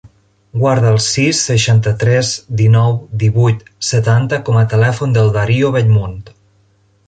Guarda el sis, seixanta-tres, dinou, divuit, setanta com a telèfon del Dario Bellmunt.